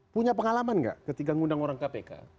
punya pengalaman nggak ketika ngundang orang kpk